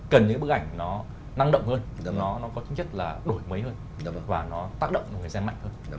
cần những bức ảnh nó năng động hơn do nó có tính chất là đổi mới hơn và nó tác động người xem mạnh hơn